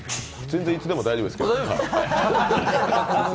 全然いつでも大丈夫ですけど。